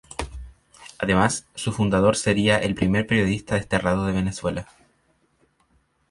Además, su fundador sería el primer periodista desterrado de Venezuela.